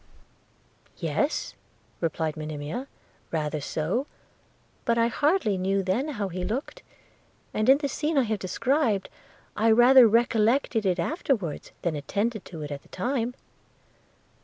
'Yes,' replied Monimia, 'rather so; but I hardly knew then how he looked – and in the scene I have described, I rather recollected it afterwards, than attended to it at the time.'